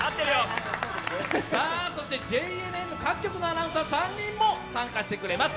そしてＪＮＮ各局のアナウンサー３人も参加してくれます。